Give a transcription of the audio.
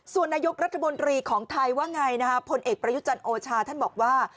ส่วนนายกรัฐมนตรีของไทยว่าไงนะฮะพลเอกประยุจันทร์โอชาท่านบอกว่า